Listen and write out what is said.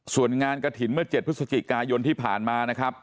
ส่วนงานกระถิ่นเมื่อ๗พฤศจิกายนที่ผ่านมานะครับ